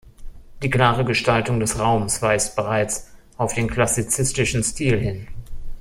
Die klare Gestaltung des Raums weist bereits auf den klassizistischen Stil hin.